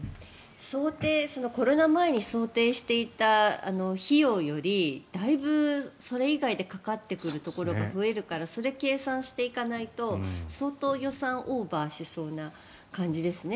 コロナ前に想定していた費用よりだいぶそれ以外でかかっているところが増えるからそれを計算して行かないと相当予算オーバーしそうな感じですね。